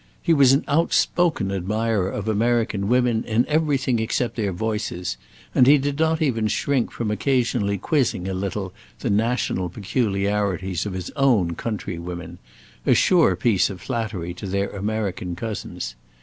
He was an outspoken admirer of American women in everything except their voices, and he did not even shrink from occasionally quizzing a little the national peculiarities of his own countrywomen; a sure piece of flattery to their American cousins.